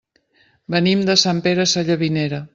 Venim de Sant Pere Sallavinera.